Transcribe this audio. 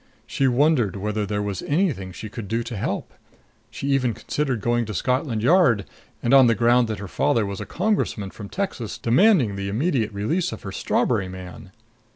She wondered whether there was anything she could do to help. She even considered going to Scotland Yard and, on the ground that her father was a Congressman from Texas, demanding the immediate release of her strawberry man.